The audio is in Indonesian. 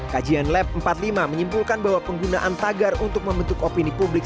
kajian lab empat puluh lima menyimpulkan bahwa penggunaan tagar untuk membentuk opini publik